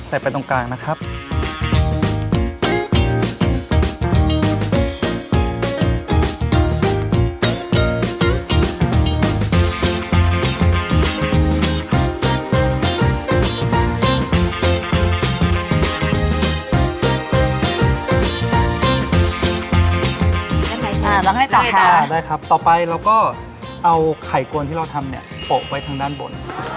อะได้ครับต่อไปเราก็เอาไข่กลวงที่เราทำเนี่ยปกไฟทางด้านบน